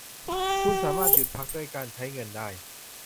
คุณสามารถหยุดพักด้วยการใช้เงินได้